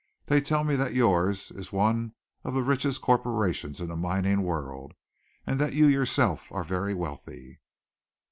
They tell me that yours is one of the richest corporations in the mining world, and that you yourself are very wealthy."